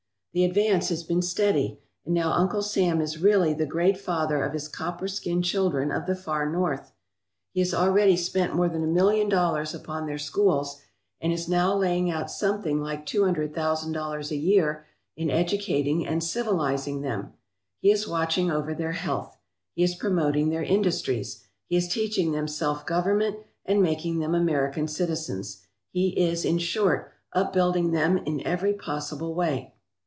The advance has been steady, and now Uncle Sam is really the great father of his copper skinned children of the Far North. He has already spent more than a million dollars upon their schools and is now laying out something like two hundred thousand dollars a year in educating and civilizing them. He is watching over their health. He is promoting their industries. He is teaching them self government and making them American citizens. He is, in short, upbuilding them in every possible way.